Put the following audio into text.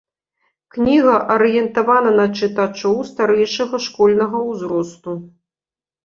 Кніга арыентавана на чытачоў старэйшага школьнага узросту.